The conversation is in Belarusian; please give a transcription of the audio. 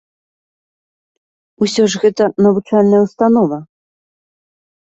Усё ж гэта навучальная ўстанова!